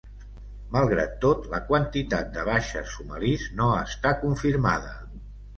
Malgrat tot, la quantitat de baixes somalis no està confirmada.